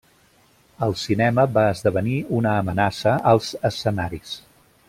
El cinema va esdevenir una amenaça als escenaris.